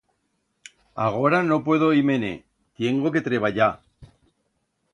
Agora no puedo ir-me-ne... Tiengo que treballar...